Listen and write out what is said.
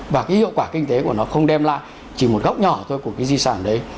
và cái hiệu quả kinh tế của nó không đem lại chỉ một góc nhỏ thôi của cái di sản đấy